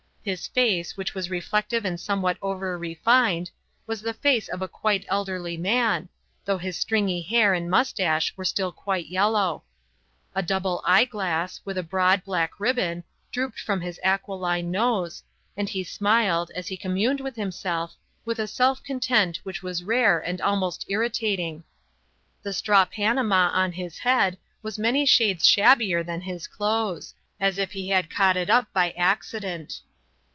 His face, which was reflective and somewhat over refined, was the face of a quite elderly man, though his stringy hair and moustache were still quite yellow. A double eye glass, with a broad, black ribbon, drooped from his aquiline nose, and he smiled, as he communed with himself, with a self content which was rare and almost irritating. The straw panama on his head was many shades shabbier than his clothes, as if he had caught it up by accident.